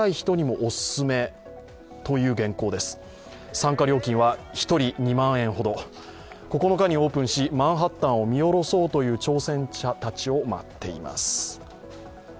参加料金は１人２万円ほど、９日にオープンしマンハッタンを見下ろそうという挑戦者たちを待っています。